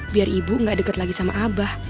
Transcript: biar ibu gak deket lagi sama abah